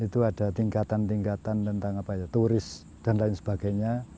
itu ada tingkatan tingkatan tentang apa ya turis dan lain sebagainya